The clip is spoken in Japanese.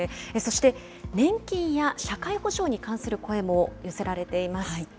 そして年金や社会保障に関する声も寄せられています。